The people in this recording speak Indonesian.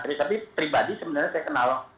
tapi pribadi sebenarnya saya kenal